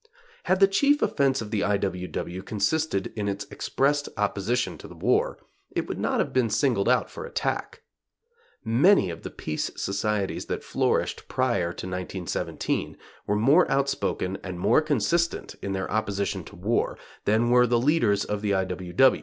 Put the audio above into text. Had the chief offense of the I. W. W. consisted in its expressed opposition to the war, it would not have been singled out for attack. Many of the peace societies that flourished prior to 1917 were more outspoken and more consistent in their opposition to war than were the leaders of the I.